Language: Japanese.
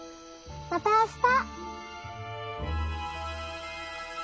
またあした。